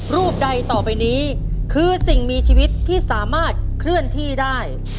รูปใดต่อไปนี้คือสิ่งมีชีวิตที่สามารถเคลื่อนที่ได้